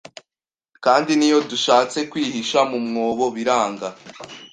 Kandi n'iyo dushatse kwihisha mu mwobo biranga